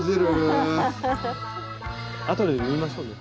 あとで縫いましょうね。